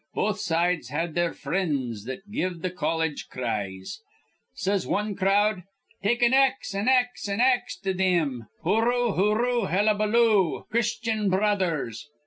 Both sides had their frinds that give th' colledge cries. Says wan crowd: 'Take an ax, an ax, an ax to thim. Hooroo, hooroo, hellabaloo. Christyan Bro others!'